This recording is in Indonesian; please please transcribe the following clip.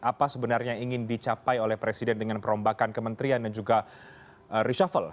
apa sebenarnya yang ingin dicapai oleh presiden dengan perombakan kementerian dan juga reshuffle